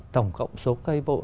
tổng cộng số cây bộ